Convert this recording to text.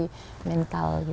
dari sisi keuntungan